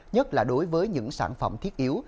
nhất là đối với những sản phẩm thiết yếu